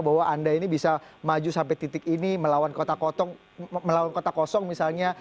bahwa anda ini bisa maju sampai titik ini melawan kota kosong misalnya